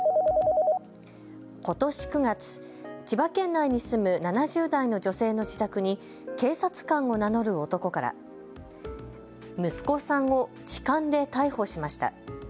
ことし９月、千葉県内に住む７０代の女性の自宅に警察官を名乗る男から息子さんを痴漢で逮捕しました。